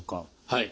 はい。